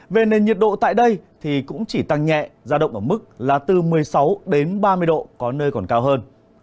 về nền nhiệt độ tại đây thì cũng chỉ tăng nhẹ giao động ở mức là từ một mươi sáu đến ba mươi độ có nơi còn cao hơn